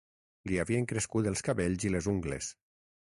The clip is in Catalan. Li havien crescut els cabells i les ungles.